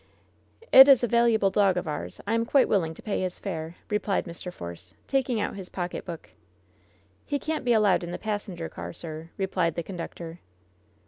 "It is a valuable dog of ours. I am quite willing to pay his fare," replied Mr. Force, taking out his pocket book. "He can't be allowed in the passenger car, sir," re plied the conductor.